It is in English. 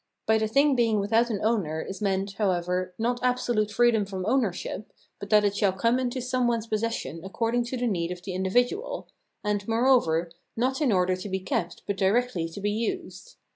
By the thing being without an owner is meant, however, not absolute freedom from ownership, l3ut that it shall come into some one's possession according to the need of the individual, and, moreover, not in order to be kept but directly to be used.